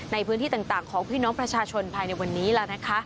ในพื้นที่ต่างของพี่น้องประชาชนภายในวันนี้แล้วนะคะ